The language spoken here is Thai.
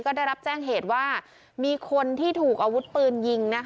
ก็ได้รับแจ้งเหตุว่ามีคนที่ถูกอาวุธปืนยิง